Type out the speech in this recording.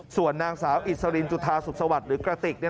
ส่วนนางสาวอิสรินจุธาสุขสวัสดิ์หรือกระติก